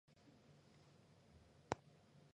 乾隆五十四年提督江苏学政。